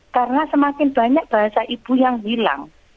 karena semakin banyak bahasa ibu yang hilang